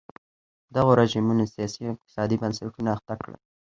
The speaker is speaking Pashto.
دغو رژیمونو سیاسي او اقتصادي بنسټونه اخته کړل.